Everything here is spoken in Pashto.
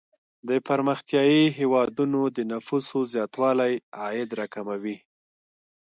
د پرمختیايي هیوادونو د نفوسو زیاتوالی عاید را کموي.